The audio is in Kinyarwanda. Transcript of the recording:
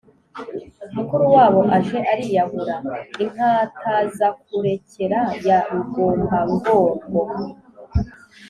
mukuru wabo aje ariyahura, inkatazakurekera ya rugombangogo